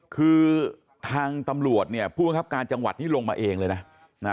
คือทางตำรวจเนี่ยผู้บังคับการจังหวัดนี่ลงมาเองเลยนะ